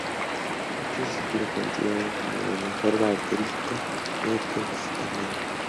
Muchos lo consideran como el mejor baterista de Testament